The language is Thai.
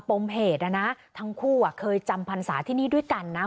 ปมเหตุนะนะทั้งคู่เคยจำพรรษาที่นี่ด้วยกันนะ